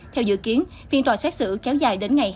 theo dự kiến phiên tòa xét xử kéo dài đến ngày hai mươi tám tháng ba